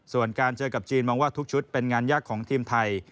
ส่วนการเจอกับจีนมองว่าทุกชุดเป็นงานยากของทีมไทย